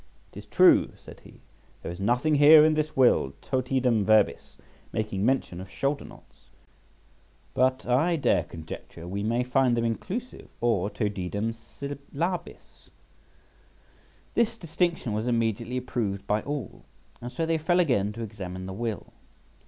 "It is true," said he, "there is nothing here in this will, totidem verbis, making mention of shoulder knots, but I dare conjecture we may find them inclusive, or totidem syllabis." This distinction was immediately approved by all; and so they fell again to examine the will.